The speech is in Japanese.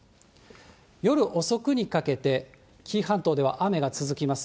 夜遅くにかけて、紀伊半島では雨が続きます。